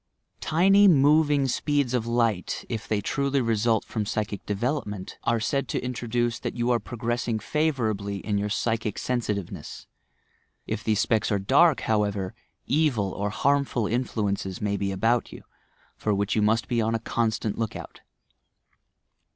Tiny moving speeds of light, if they truly result from psychic development — are said to indicate that you are progressing favourably in your psychic sensitiveness. If these specks are dark, however, evil or harmful influences may be about you — for which you must be on a constant look out.